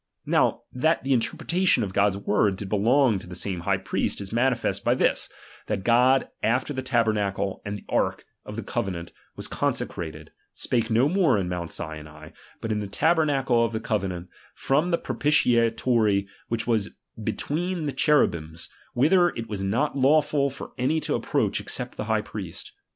Now that the interpretation of God's word did belong td the same high priest, is manifest by this ; that God, after the tabernacle aud the ark of the covenant was consecrated, spake no more in Mount Sinai, but in the tabernacle of the cove nant, from the propitiatory which was between the chertihims, whither it was not lawful for any to approach except the high priest.